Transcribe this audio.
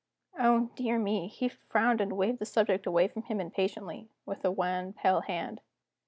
Oh, dear me, he frowned, and waved the subject away from him impatiently, with a wan, pale hand.